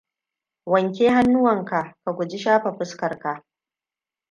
Wanke hannuwanka ka guji shafa fuskar ka.